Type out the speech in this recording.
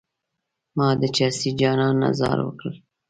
ما د چرسي جانان نه ځار وکړ.